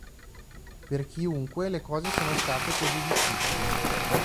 Per chiunque, le cose sono state così difficili.